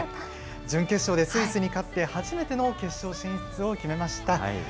準決勝でスイスに勝って初めての決勝進出を決めました。